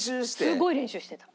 すごい練習してた。